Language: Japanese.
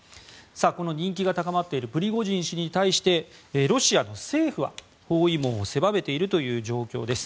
この人気が高まっているプリゴジン氏に対してロシアの政府は包囲網を狭めているという状況です。